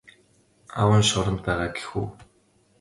Аав нь шоронд байгаа гэх үү?